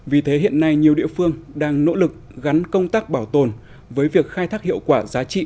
vì thế hiện nay nhiều địa phương đang nỗ lực gắn công tác bảo tồn với việc khai thác hiệu quả giá trị